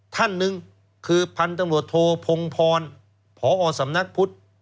ท่านหนึ่งคือพันธุ์ตำรวจโทพงพรพอสำนักพุทธ